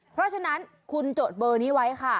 เพราะฉะนั้นคุณจดเบอร์นี้ไว้ค่ะ